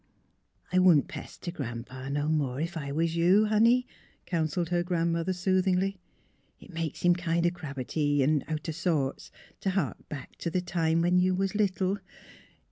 *'I wouldn't pester Gran 'pa no more, ef I was you, honey," counseled her grandmother sooth ingly. " It makes him kind o' crabbity an' out o' sorts t' hark back t' th' time when you was little.